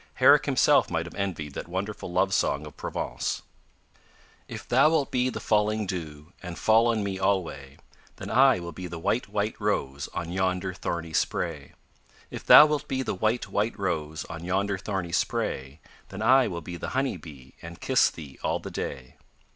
Herrick himself might have envied that wonderful love song of Provence: If thou wilt be the falling dew And fall on me alway, Then I will be the white, white rose On yonder thorny spray. If thou wilt be the white, white rose On yonder thorny spray, Then I will be the honey bee And kiss thee all the day.